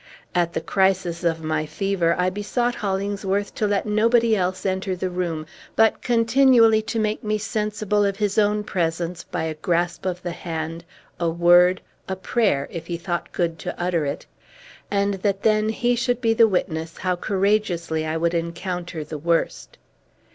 At the crisis of my fever I besought Hollingsworth to let nobody else enter the room, but continually to make me sensible of his own presence by a grasp of the hand, a word, a prayer, if he thought good to utter it; and that then he should be the witness how courageously I would encounter the worst.